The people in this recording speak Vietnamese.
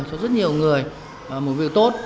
cho rất nhiều người một việc tốt